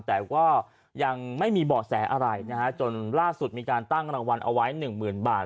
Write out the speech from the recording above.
แต่ว่ายังไม่มีบ่อแสอะไรนะฮะจนล่าสุดมีการตั้งรางวัลเอาไว้๑๐๐๐๐บาท